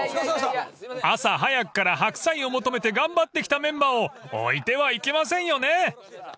［朝早くから白菜を求めて頑張ってきたメンバーを置いては行けませんよね］